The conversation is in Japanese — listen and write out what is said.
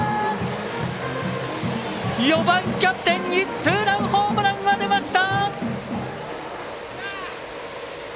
４番、キャプテンにツーランホームランが出ました！